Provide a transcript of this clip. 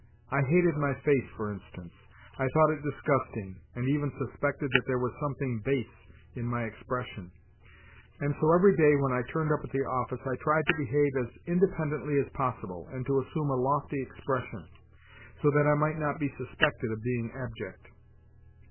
I hated my face, for instance : I thought it disgusting, and even suspected that there was something base in my expres sion, and so every day when I turned up at the office I tried to behave as independently as possible, and to assume a lofty expres sion, so that I might not be suspected of being abject.